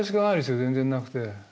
全然なくて。